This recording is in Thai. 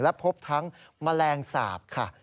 และพบทั้งแมลงสาปค่ะ